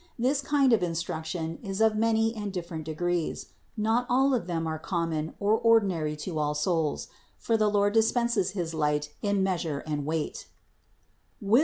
This kind of instruction is of many and different degrees ; not all of them are common or ordinary to all souls ; for the Lord dispenses his light in measure and weight (Wis.